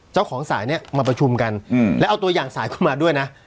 เจ้าของสายเนี่ยมาประชุมกันแล้วเอาตัวอย่างสายขึ้นมาด้วยนะ